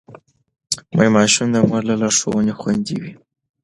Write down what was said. ماشوم د مور له لارښوونې خوندي وي.